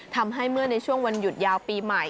ทำให้เมื่อในช่วงวันหยุดยาวปีใหม่